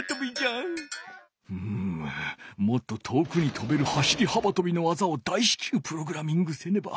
うむもっと遠くにとべる走り幅とびのわざを大しきゅうプログラミングせねば。